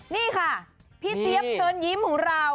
นี่ค่ะพี่เจี๊ยบเชิญยิ้มของเรา